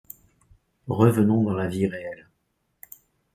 Revenons dans la vie réelle.